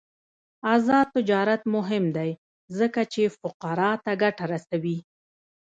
آزاد تجارت مهم دی ځکه چې فقراء ته ګټه رسوي.